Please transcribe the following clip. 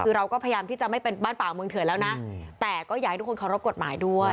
คือเราก็พยายามที่จะไม่เป็นบ้านป่าเมืองเถื่อนแล้วนะแต่ก็อยากให้ทุกคนเคารพกฎหมายด้วย